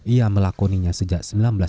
ia melakoninya sejarah